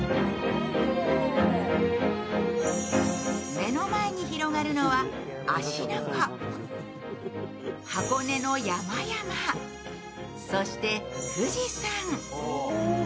目の前に広がるのは芦ノ湖、箱根の山々、そして、富士山。